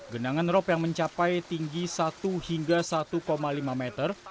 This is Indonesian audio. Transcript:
genangan rop yang mencapai tinggi satu hingga satu lima meter